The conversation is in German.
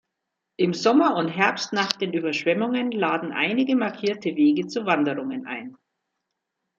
Im Sommer und Herbst nach den Überschwemmungen laden einige markierte Wege zu Wanderungen ein.